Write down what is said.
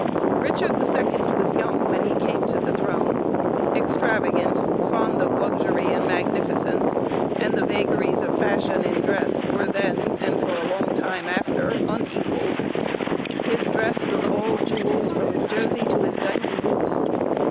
Richard the Second was young when he came to the throne, extravagant, fond of luxury and magnificence, and the vagaries of fashion in dress were then, and for a long time after, unequalled; his dress, was "all jewels, from jasey to his diamond boots."